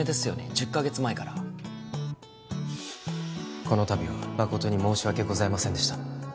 １０カ月前からこのたびは誠に申し訳ございませんでした